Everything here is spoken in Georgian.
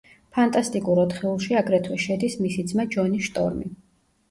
ფანტასტიკურ ოთხეულში აგრეთვე შედის მისი ძმა ჯონი შტორმი.